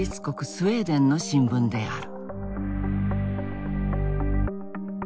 スウェーデンの新聞である。